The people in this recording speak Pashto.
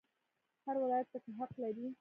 هر ولایت پکې حق لري